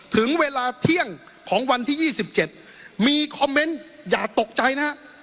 ถึงเวลาเที่ยงของวันที่๒๗มีคอมเมนต์อย่าตกใจนะฮะ